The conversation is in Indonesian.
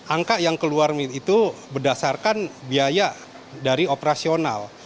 angka yang keluar itu berdasarkan biaya dari operasional